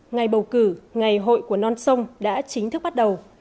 ngày bầu cử ngày hội của non sông đã chính thức bắt đầu